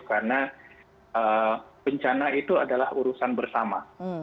karena bencana itu adalah urusan bersama